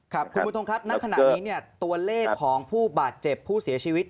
ครับคุณผู้ชมครับณขณะนี้ตัวเลขของผู้บาดเจ็บผู้เสียชีวิต